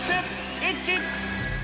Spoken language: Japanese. イッチ。